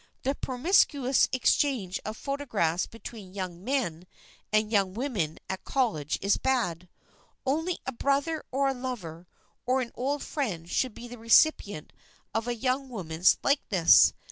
The promiscuous exchange of photographs between young men and young women at college is bad. Only a brother or a lover or an old friend should be the recipient of a young woman's likeness.